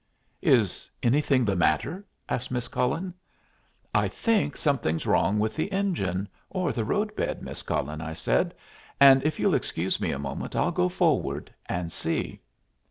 "Is anything the matter?" asked Miss Cullen. "I think something's wrong with the engine or the road bed, Miss Cullen," I said, "and, if you'll excuse me a moment, I'll go forward and see."